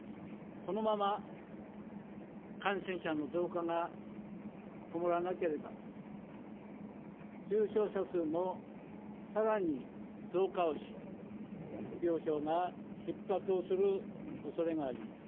このまま感染者の増加が止まらなければ、重症者数もさらに増加をし、病床がひっ迫をするおそれがあります。